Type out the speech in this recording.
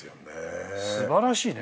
素晴らしいね。